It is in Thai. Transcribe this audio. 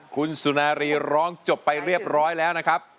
คุณสุนารีร้องจบไปเรียบร้อยแล้วนะครับ